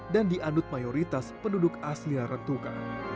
dan diandut mayoritas penduduk asli larantuka